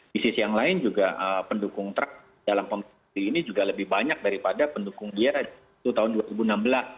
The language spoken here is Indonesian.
di sisi yang lain juga pendukung trump dalam pemerintahan ini juga lebih banyak daripada pendukung dia itu tahun dua ribu enam belas